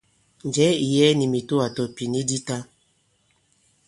Njɛ̀ɛ ì yɛɛ nì mìtoà, tɔ̀ ìpìni di ta.